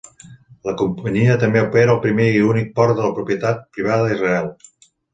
La companyia també opera el primer i únic port de propietat privada a Israel.